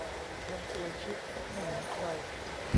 แถมสวยชิคไม่เหมือนใคร